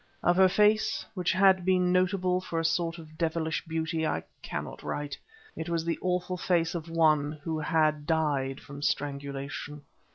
Of her face, which had been notable for a sort of devilish beauty, I cannot write; it was the awful face of one who had did from strangulation.